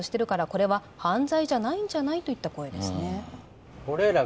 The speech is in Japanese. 「これは犯罪じゃないんじゃない？」といった声ですね